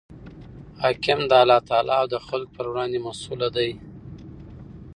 حاکم د الله تعالی او د خلکو پر وړاندي مسئوله دئ.